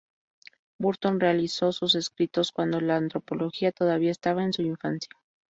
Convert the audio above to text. Burton realizó sus escritos cuando la Antropología todavía estaba en su infancia.